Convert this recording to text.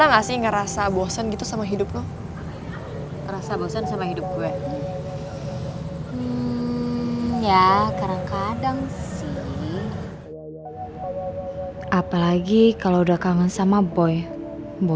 yah yaudahlah kalo gitu